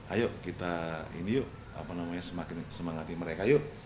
ayo kita ini yuk apa namanya semakin semangati mereka yuk